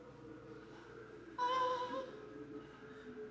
ああ。